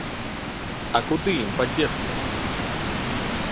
А куды ім падзецца!